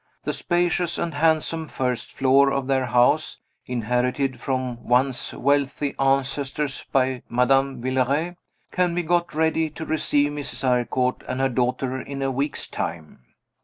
The spacious and handsome first floor of their house (inherited from once wealthy ancestors by Madame Villeray) can be got ready to receive Mrs. Eyrecourt and her daughter in a week's time.